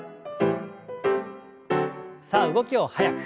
さあ動きを速く。